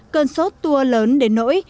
cơn sốt tour lớn đến nỗi